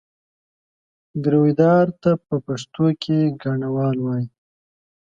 ګرويدار ته په پښتو کې ګاڼهوال وایي.